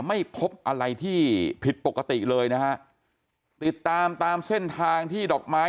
ไม่พบอะไรที่ผิดปกติเลยนะฮะติดตามตามเส้นทางที่ดอกไม้